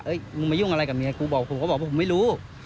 มึงมายุ่งอะไรกับเมียกูบอกผมก็บอกว่าผมไม่รู้